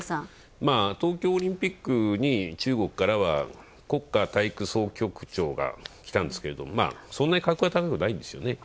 東京オリンピックに中国からは国家体育総局局長が来たんですけれども、そんなに格は高くないんですよね。